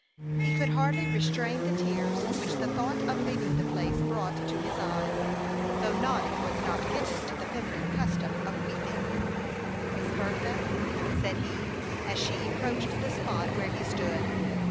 He could hardly restrain the tears which the thought of leaving the place brought to his eyes, though Noddy was not given to the feminine custom of weeping. "Miss Bertha," said he, as she approached the spot where he stood.